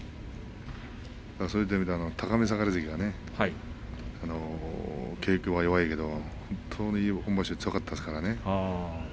そういった意味では高見盛関が稽古は弱いけど本当に本場所は強かったですからね。